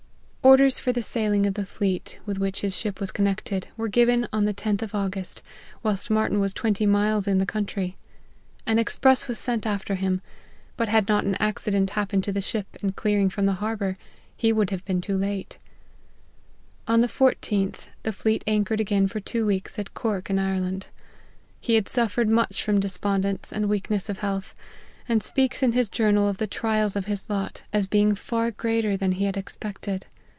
Orders for the sailing of the fleet with which his ship was connected, were given on the 10th of Au gust, whilst Martyn was twenty miles in the coun try. An express was sent after him ; but had not an accident happened to the ship in clearing from the harbour, he would have been too late. On the 14th, the fleet anchored again for two weeks, at Cork, in Ireland. He had suffered much from despondence and weakness of health, and speaks in his Journal of the trials of his lot as being far greater than he had expected.